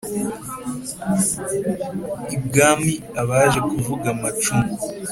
ibwami abaje kuvuga amacumu